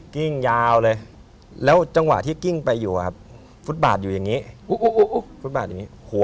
คุณอาชีพให้ดูนะ